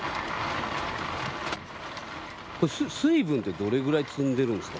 これ水分ってどれぐらい積んでるんですか？